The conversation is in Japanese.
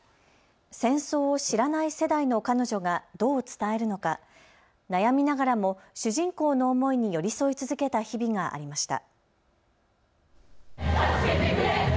戦争を知らない世代の彼女がどう伝えるのか、悩みながらも主人公の思いに寄り添い続けた日々がありました。